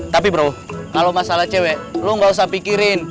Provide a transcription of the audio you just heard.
tapi bro kalau masalah cewek lo gak usah pikirin